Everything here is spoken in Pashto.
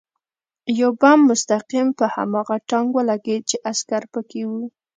یو بم مستقیم په هماغه ټانک ولګېد چې عسکر پکې و